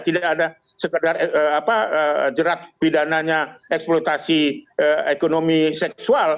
tidak ada sekadar jerat pidananya eksploitasi ekonomi seksual